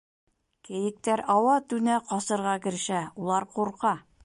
Кейектәр ауа-түнә ҡасырға керешә — улар ҡурҡа.